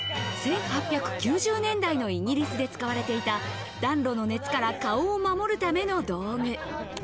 １８９０年代のイギリスで使われていた暖炉の熱から顔を守るための道具。